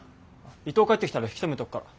伊藤帰ってきたら引き止めとくから。